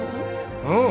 うん。